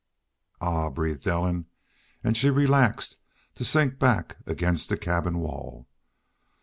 "Ah!" breathed Ellen, and she relaxed to sink back against the cabin wall.